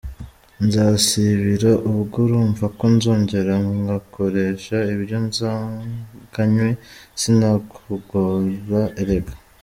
nzasibira, ubwo urumva ko nzongera ngakoresha ibyo nsanganywe! Sinakugora erega.